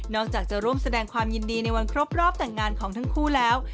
อกจากจะร่วมแสดงความยินดีในวันครบรอบแต่งงานของทั้งคู่แล้ว